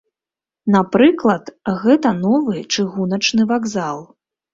Напрыклад, гэта новы чыгуначны вакзал.